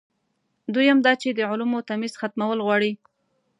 دویم دا چې د علومو تمیز ختمول غواړي.